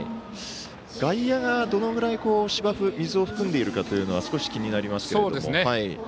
外野がどのぐらい芝生水を含んでいるかというのは少し気になりますけれども。